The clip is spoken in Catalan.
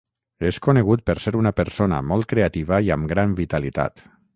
És conegut per ser una persona molt creativa i amb gran vitalitat.